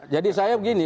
jadi saya begini